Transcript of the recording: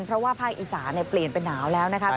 เพราะว่าภาคอีสานเปลี่ยนเป็นหนาวแล้วนะครับ